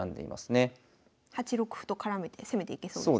８六歩と絡めて攻めていけそうですね。